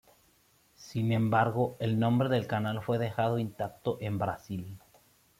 Sin embargo, el nombre del canal fue dejado intacto en Brasil.